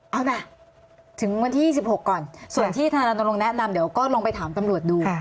เอานะถึงวันที่๒๖ก่อนส่วนที่ธนารณรงค์แนะนำเดี๋ยวก็ลองไปถามตำรวจดู